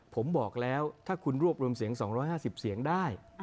ผมบอกแล้วถ้าคุณรวบรวมเสียง๒๕๐เสียงได้